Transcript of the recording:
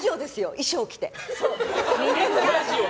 衣装着て。